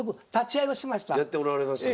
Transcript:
やっておられましたか。